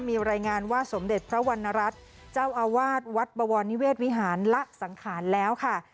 มีรายงานว่าสมเด็จพระวรรณรัฐเจ้าอาวาสวัดบวรนิเวศวิหารละสังขารแล้วค่ะ